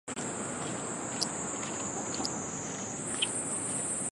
二歧卷柏为卷柏科卷柏属下的一个种。